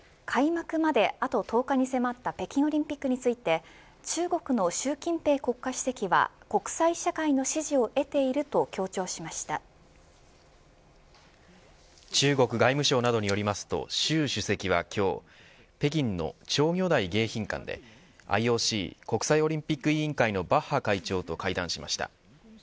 開幕まであと１０日に迫った北京オリンピックについて中国の習近平国家主席は国際社会の支持を得ていると中国外務省などによりますと習主席は今日北京の釣魚台迎賓館でＩＯＣ国際オリンピック委員会のバッハ会長と会談しました。